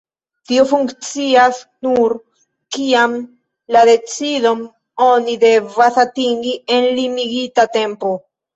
Tio funkcias nur, kiam la decidon oni devas atingi en limigita tempo.